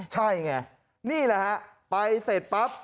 ใช่ไงนี่แหละฮะไปเสร็จปั๊บ